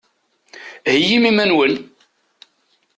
Heyyim iman-nwen!